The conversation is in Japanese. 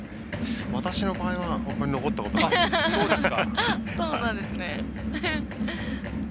私の場合はあんまり残ったことないです。